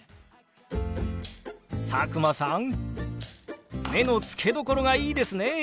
佐久間さん目の付けどころがいいですね！